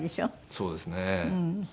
そうですね。